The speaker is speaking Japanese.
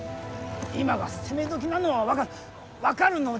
今が攻め時なのは分かる。